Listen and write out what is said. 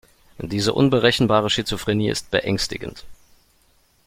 Diese unberechenbare Schizophrenie ist beängstigend.